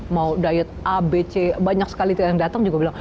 mau diet a b c banyak sekali yang datang juga bilang